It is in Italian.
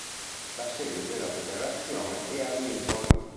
La sede della federazione è a Lincoln.